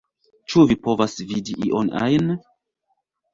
Ĉu vi povas vidi ion ajn?